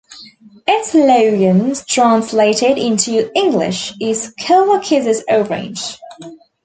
Its slogan, translated into English, is "Cola Kisses Orange".